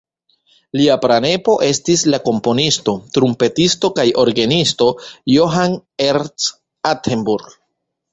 Lia pranepo estis la komponisto, trumpetisto kaj orgenisto Johann Ernst Altenburg.